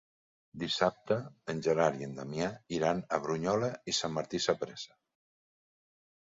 Dissabte en Gerard i en Damià iran a Brunyola i Sant Martí Sapresa.